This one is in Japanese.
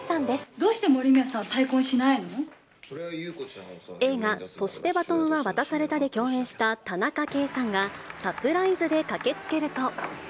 どうして森宮さんは再婚しな映画、そして、バトンは渡されたで共演した田中圭さんが、サプライズで駆けつけると。